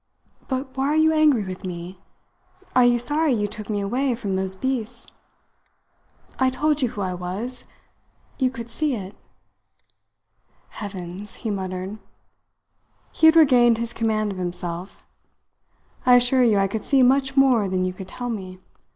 "But why are you angry with me? Are you sorry you took me away from those beasts? I told you who I was. You could see it." "Heavens!" he muttered. He had regained his command of himself. "I assure you I could see much more than you could tell me.